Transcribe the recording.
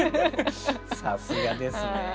さすがですね。